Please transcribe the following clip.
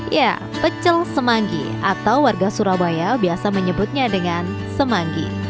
ya pecel semanggi atau warga surabaya biasa menyebutnya dengan semanggi